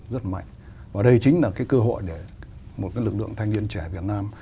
rất mạnh và đây chính là cái cơ hội để một lực lượng thanh niên trẻ việt nam